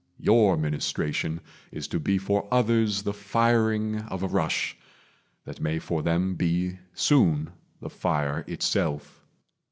Your ministration is to be for others The firing of a rush that may for them Be soon the fire itself.